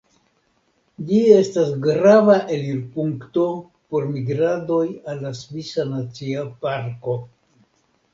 Ĝi estas grava elirpunkto por migradoj al la Svisa Nacia Parko.